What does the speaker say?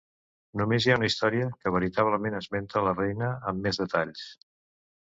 Només hi ha una història que veritablement esmenta la reina amb més detalls.